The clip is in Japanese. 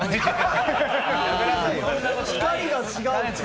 光が違う！